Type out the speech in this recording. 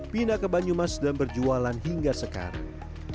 pindah ke banyumas dan berjualan hingga sekarang